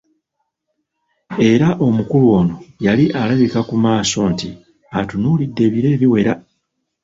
Era omukulu ono yali alabika ku maaso nti atunuulidde ebiro ebiwera.